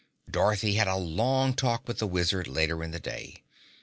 Dorothy had a long talk with the Wizard later in the day.